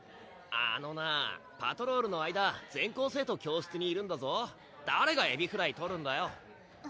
あのなパトロールの間全校生徒教室にいるんだぞ誰がエビフライとるんだよ？